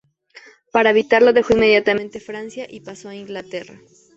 Para evitarlo, dejó inmediatamente Francia y pasó a Inglaterra.